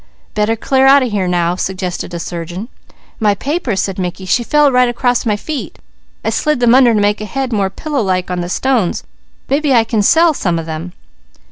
"Better clear out of here now!" suggested a surgeon. "My papers!" said Mickey. "She fell right cross my feet. I slid them under, to make her head more pillowlike on the stones. Maybe I can sell some of them."